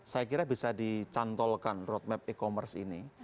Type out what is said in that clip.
saya kira bisa dicantolkan roadmap e commerce ini